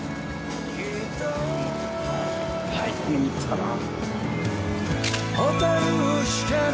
はいこの３つかな。